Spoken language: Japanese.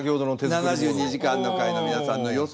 ７２時間の会の皆さんの予想